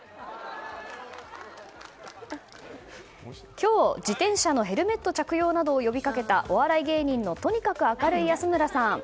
今日、自転車のヘルメット着用などを呼びかけたお笑い芸人のとにかく明るい安村さん。